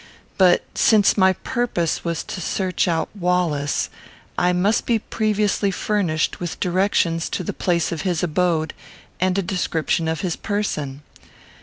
But, since my purpose was to search out Wallace, I must be previously furnished with directions to the place of his abode, and a description of his person.